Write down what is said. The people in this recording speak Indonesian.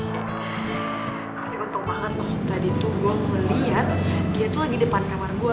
tapi untung banget loh tadi tuh gua ngeliat dia tuh lagi depan kamar gua